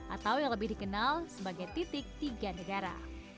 atau yang lebih dikenal sebagai titik tiga negara